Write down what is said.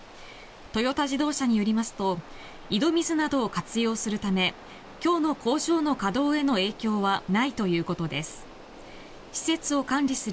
トヨタ自動車によりますと井戸水などを活用するため今日の工場の稼働への影響はないということです。